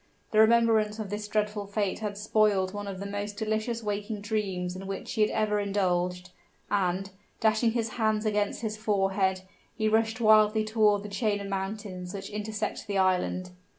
The remembrance of this dreadful fate had spoiled one of the most delicious waking dreams in which he had ever indulged; and, dashing his hands against his forehead, he rushed wildly toward the chain of mountains which intersected the island.